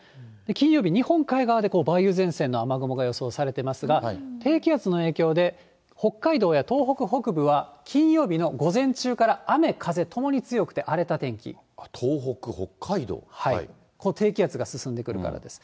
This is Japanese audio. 金曜日、日本海側で梅雨前線の雨雲が予想されてますが、低気圧の影響で、北海道や東北北部は金曜日の午前中から雨、風ともに強くて、荒れ東北、低気圧が進んでくるからです。